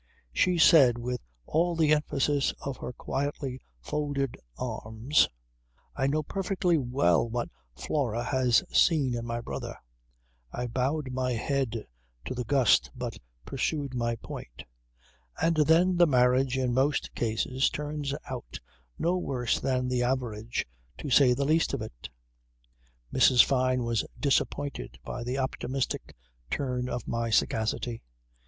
She said with all the emphasis of her quietly folded arms: "I know perfectly well what Flora has seen in my brother." I bowed my head to the gust but pursued my point. "And then the marriage in most cases turns out no worse than the average, to say the least of it." Mrs. Fyne was disappointed by the optimistic turn of my sagacity.